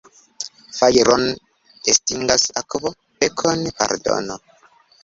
Fajron estingas akvo, pekon pardono.